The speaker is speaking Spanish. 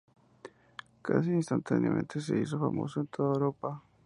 Casi instantáneamente se hizo famoso en toda Europa.